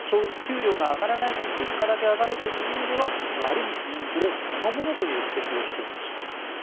給料が上がらないのに物価だけ上がるという意味では悪いインフレそのものという指摘をしていました。